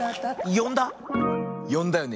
よんだよね？